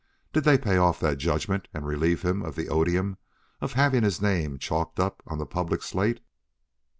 Did they pay off that judgment and relieve him of the odium of having his name chalked up on the public slate?